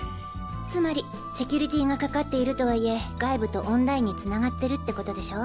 つまりセキュリティがかかっているとはいえ外部とオンラインにつながってるってことでしょ？